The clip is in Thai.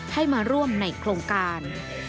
ให้มาร่วมในโครงการ